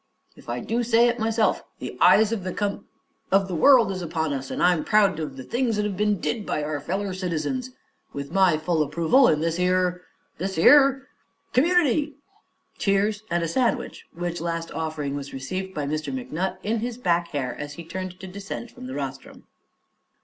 If I do say it myself, the eyes of the com of the world is upon us, an' I'm proud of the things that's ben did by our feller citizens, with my full approval, in this 'ere this 'ere er community!" (Cheers and a sandwich, which last offering was received by Mr. McNutt in his back hair as he turned to descend from the rostrum.)